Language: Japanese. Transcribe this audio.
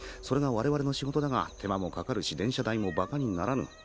それがわれわれの仕事だが手間もかかるし電車代もバカにならぬ。